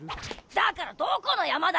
だからどこのやまだ？